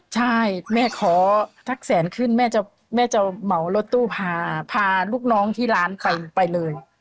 ใช่แม่ขอทักแสนขึ้นแม่จะเหมารถตู้พาพาลูกน้องที่ร้านไปเลย